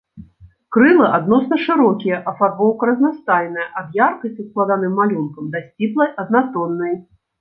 Крылы адносна шырокія, афарбоўка разнастайная ад яркай са складаным малюнкам да сціплай, аднатоннай.